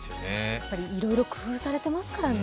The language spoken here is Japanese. やはり、いろいろ工夫されていますからね。